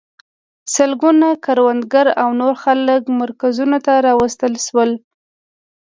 سلګونه کروندګر او نور خلک مرکزونو ته راوستل شول.